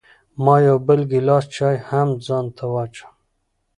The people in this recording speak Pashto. ما یو بل ګیلاس چای هم ځان ته واچوه.